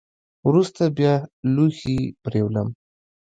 وروسته بیا لوښي پرېولم .